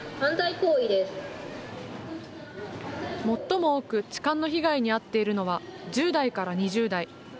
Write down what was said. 最も多く痴漢の被害に遭っているのは１０代から２０代。